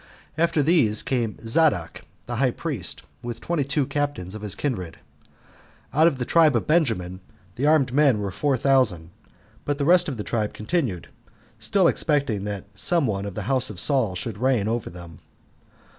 After these came Zadok the high priest, with twenty two captains of his kindred. Out of the tribe of Benjamin the armed men were four thousand; but the rest of the tribe continued, still expecting that some one of the house of Saul should reign over them.